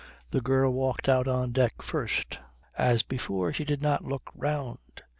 The girl walked out on deck first. As before she did not look round.